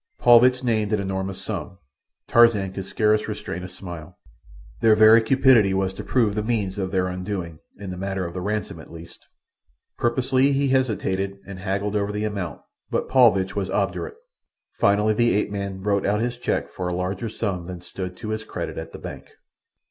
Paulvitch named an enormous sum. Tarzan could scarce restrain a smile. Their very cupidity was to prove the means of their undoing, in the matter of the ransom at least. Purposely he hesitated and haggled over the amount, but Paulvitch was obdurate. Finally the ape man wrote out his cheque for a larger sum than stood to his credit at the bank.